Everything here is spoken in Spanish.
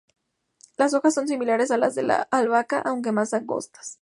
Las hojas son similares a las de la albahaca, aunque más angostas.